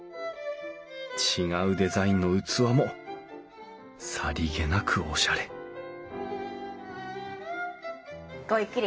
違うデザインの器もさりげなくおしゃれごゆっくり。